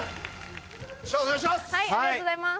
お願いします！